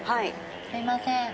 すみません。